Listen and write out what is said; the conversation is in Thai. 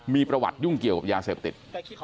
มีประวัติยุ่งเกี่ยวกับยาเสพติด